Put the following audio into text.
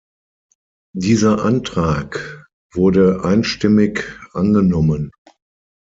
Dieser Antrag wurde einstimmig angenommen.